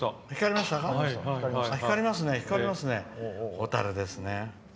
蛍ですね。